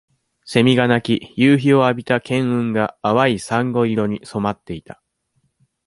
セミが鳴き、夕日をあびた絹雲が、淡いさんご色に染まっていた。